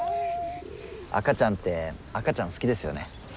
赤ちゃんって赤ちゃん好きですよね。